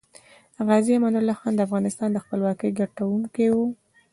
غازي امان الله خان دافغانستان دخپلواکۍ ګټونکی وه